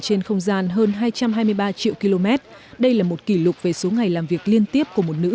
trên không gian hơn hai trăm hai mươi ba triệu km đây là một kỷ lục về số ngày làm việc liên tiếp của một nữ